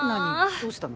どうしたの？